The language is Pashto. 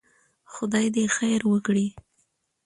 خدای دې خير وکړي.